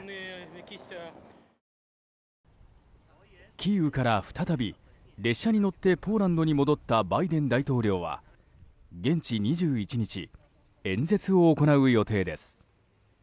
キーウから再び列車に乗ってポーランドに戻ったバイデン大統領は、現地２１日演説を行う予定です。